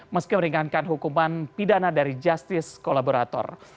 meski meringankan hukuman pidana dari justice kolaborator